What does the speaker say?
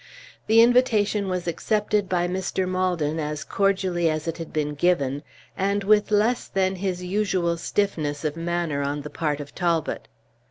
The invitation was accepted by Mr. Maldon as cordially as it had been given, and with less than his usual stiffness of manner on the part of Talbot.